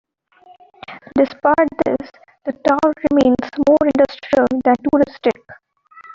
Despite this, the town remains more industrial than touristic.